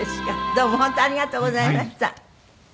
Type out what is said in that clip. どうも本当ありがとうございました。